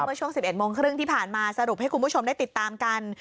เมื่อช่วง๑๑โมงครึ่งที่ผ่านมาสรุปให้คุณผู้ชมได้ติดตามกัน